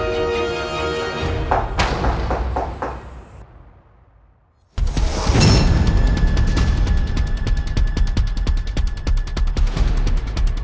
tante itu sudah berubah